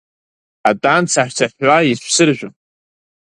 Атәан цаҳәцаҳәуа ишәсыржәып.